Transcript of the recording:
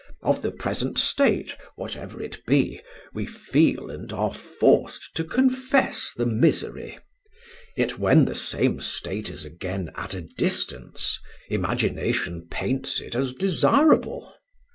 Of the present state, whatever it be, we feel and are forced to confess the misery; yet when the same state is again at a distance, imagination paints it as desirable.